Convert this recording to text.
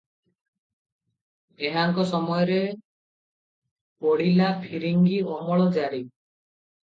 ଏହାଙ୍କ ସମୟରେ ପଡ଼ିଲା ଫିରିଙ୍ଗୀ ଅମଳ ଜାରି ।